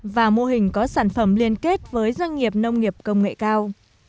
và mô hình có sản phẩm liên kết với doanh nghiệp nông nghiệp công nghệ cao